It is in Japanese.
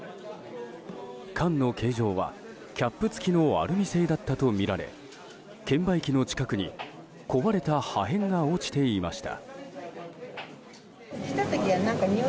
缶の形状は、キャップ付きのアルミ製だったとみられ券売機の近くに壊れた破片が落ちていました。